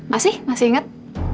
masih masih inget